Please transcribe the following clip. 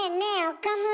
岡村。